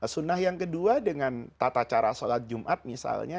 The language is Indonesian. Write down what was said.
sunnah yang kedua dengan tata cara sholat jumat misalnya